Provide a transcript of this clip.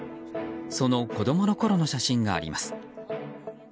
その子供のころの写真があります。